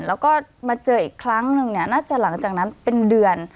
แล้วก็มาเจออีกครั้งหนึ่งเนี่ยน่าจะหลังจากนั้นเป็นเดือน